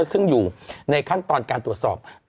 ซึ่งอยู่ในขั้นตอนการตรวจสอบ